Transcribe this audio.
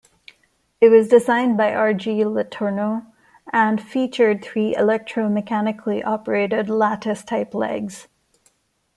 It was designed by R. G. LeTourneau and featured three electro-mechanically-operated lattice type legs.